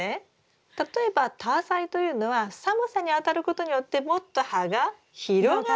例えばタアサイというのは寒さにあたることによってもっと葉が広がって。